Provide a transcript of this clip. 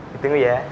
kita tunggu ya